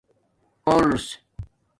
پُرس